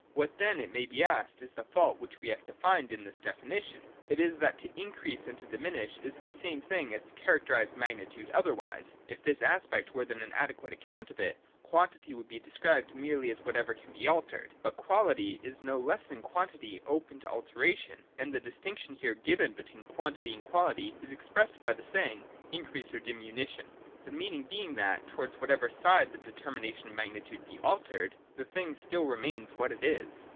What then, it may be asked, is the fault which we have to find with this defini tion? It is that to increase and to diminish is the same thing as to characterise magnitude otherwise. If this aspect then were an adequate account of it, quantity would be described merely as whatever can be altered. But quality is no less than quantity open to alteration ; and the distinction here given between quantity and quality is expressed by saying increase or diminution : the meaning being that, towards whatever side the determination of magnitude be altered, the thing still remains what it is.